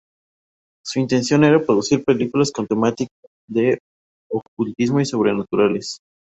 Su intención era producir películas con temática de ocultismo y sobrenaturales.